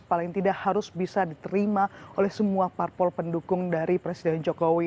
paling tidak harus bisa diterima oleh semua parpol pendukung dari presiden jokowi